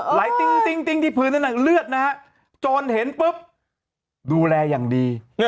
ไหลติ้งติ้งติ้งที่พื้นนั่นแหละเลือดนะฮะโจรเห็นปุ๊บดูแลอย่างดี